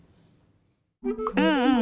うんうん。